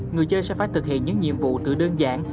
người chơi sẽ phải thực hiện những nhiệm vụ tự đơn giản